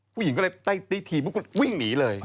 ผู้หญิงก็เลยได้ทีวิ่งหนีเลย